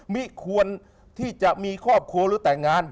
ไม่ควรที่จะมีครอบครัวหรือแต่งงาน